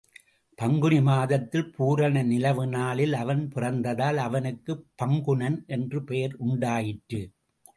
பங்குனி மாதத்தில் பூரண நிலவு நாளில் அவன் பிறந்ததால் அவனுக்குப் பங்குனன் என்ற பெயர் உண்டாயிற்று.